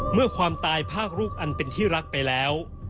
เมื่อความตายภาคลูกอันเป็นที่รักไปแล้ว